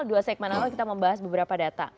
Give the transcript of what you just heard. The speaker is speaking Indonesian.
dua segmen awal kita membahas beberapa data